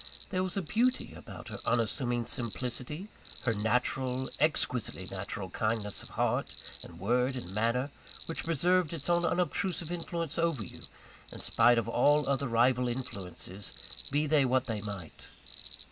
There was a beauty about her unassuming simplicity, her natural exquisitely natural kindness of heart, and word, and manner, which preserved its own unobtrusive influence over you, in spite of all other rival influences, be they what they might.